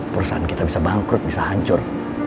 perusahaan kita bisa bangkrut bisa hancur